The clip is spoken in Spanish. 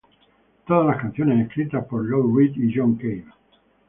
Todas las canciones escritas por Lou Reed y John Cale.